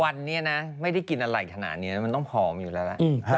วันนี้นะไม่ได้กินอะไรขนาดนี้มันต้องผอมอยู่แล้วล่ะ